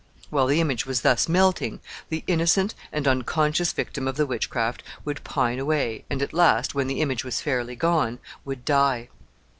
While the image was thus melting, the innocent and unconscious victim of the witchcraft would pine away, and at last, when the image was fairly gone, would die.